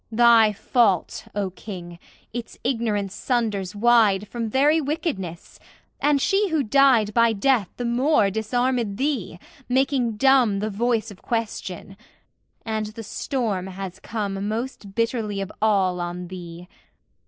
Thy fault, O King, its ignorance sunders wide From very wickedness; and she who died By death the more disarmed thee, making dumb The voice of question. And the storm has come Most bitterly of all on thee!